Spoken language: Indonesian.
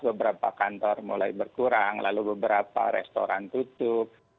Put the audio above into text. beberapa kantor mulai berkurang lalu beberapa restoran tutup